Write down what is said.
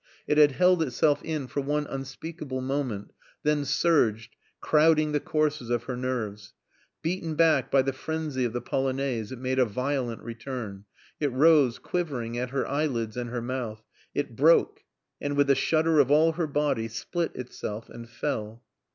It had held itself in for one unspeakable moment, then surged, crowding the courses of her nerves. Beaten back by the frenzy of the Polonaise, it made a violent return; it rose, quivering, at her eyelids and her mouth; it broke, and, with a shudder of all her body, split itself and fell.